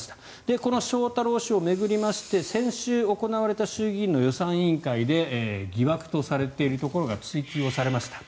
この翔太郎氏を巡りまして先週行われた衆議院の予算委員会で疑惑とされているところが追及されました。